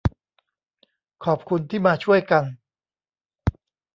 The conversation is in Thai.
ขอบคุณที่มาช่วยกัน